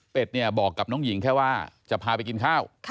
เป็นบอกกับน้องหญิงแค่ว่าจะพาไปกินข้าว